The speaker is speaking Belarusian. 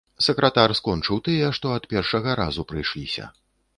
Сакратар скончыў тыя, што ад першага разу прыйшліся.